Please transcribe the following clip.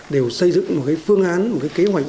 đều xây dựng một phương án một kế hoạch